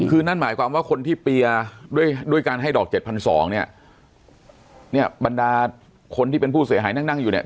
คือนั่นหมายความว่าคนที่เปียร์ด้วยด้วยการให้ดอกเจ็ดพันสองเนี่ยเนี่ยบรรดาคนที่เป็นผู้เสียหายนั่งนั่งอยู่เนี่ย